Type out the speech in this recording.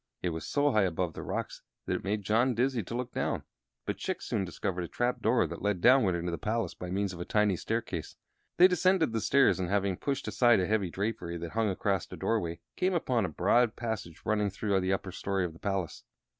It was so high above the rocks that it made John dizzy to look down; but Chick soon discovered a trap door that led downward into the palace by means of a tiny staircase. They descended the stairs, and, having pushed aside a heavy drapery that hung across a doorway, came upon a broad passage running through the upper story of the palace.